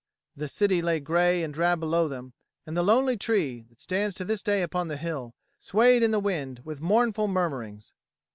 The city lay grey and drab below them, and the lonely tree, that stands to this day upon the hill, swayed in the wind with mournful murmurings.